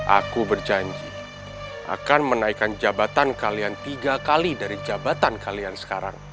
aku berjanji akan menaikkan jabatan kalian tiga kali dari jabatan kalian sekarang